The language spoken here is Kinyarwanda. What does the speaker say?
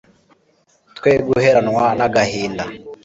tweguheranwa n'agahinda